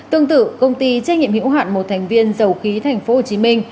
tương tự công ty trách nhiệm hữu hạn một thành viên dầu khí thành phố